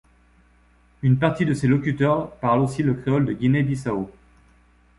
Une partie de ses locuteurs parlent aussi le créole de Guinée-Bissau.